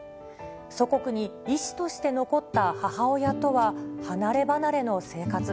祖国に医師として残った母親とは離れ離れの生活。